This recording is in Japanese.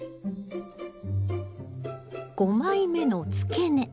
５枚目のつけ根